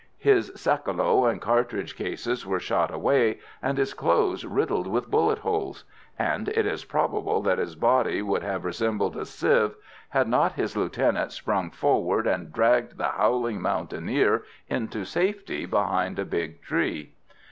His sakalo and cartridge cases were shot away, and his clothes riddled with bullet holes; and it is probable that his body would have resembled a sieve had not his lieutenant sprung forward and dragged the howling mountaineer into safety behind a big tree.